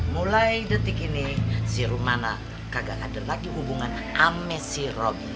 mulai detik ini si rom mana kagak ada lagi hubungan ame si robby